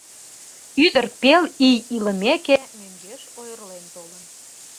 Ӱдыр пел ий илымеке, мӧҥгеш ойырлен толын.